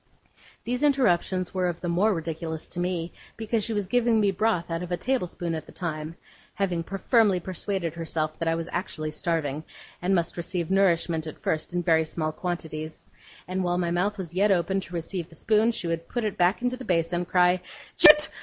These interruptions were of the more ridiculous to me, because she was giving me broth out of a table spoon at the time (having firmly persuaded herself that I was actually starving, and must receive nourishment at first in very small quantities), and, while my mouth was yet open to receive the spoon, she would put it back into the basin, cry 'Janet!